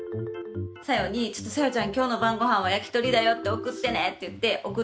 さよに「ちょっとさよちゃんきょうの晩ご飯は焼き鳥だよって送ってね」って言って送ってもらったら。